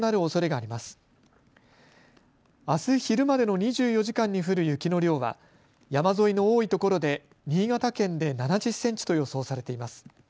あす昼までの２４時間に降る雪の量は山沿いの多いところで新潟県で７０センチと予想されています。